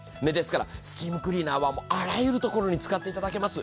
スチームクリーナはあらゆるところに使っていただけます。